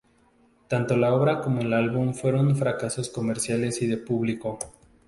Tanto la obra como el álbum fueron fracasos comerciales y de público.